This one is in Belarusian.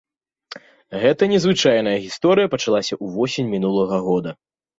Гэта незвычайная гісторыя пачалася ўвосень мінулага года.